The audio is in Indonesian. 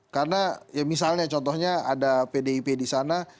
karena ya misalnya contohnya ada pdip di sana